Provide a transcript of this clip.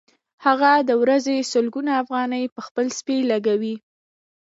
هغه د ورځې سلګونه افغانۍ په خپل سپي لګوي